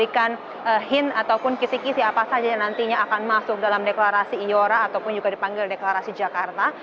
dan kemudian di sini juga diberikan hint ataupun kisih kisih apa saja yang nantinya akan masuk dalam deklarasi ayora ataupun juga dipanggil deklarasi jakarta